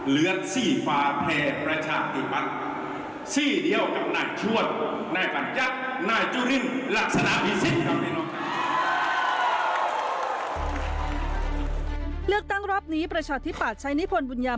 เลือดสี่ฟ้าแพรย์ประชาธิปัตย์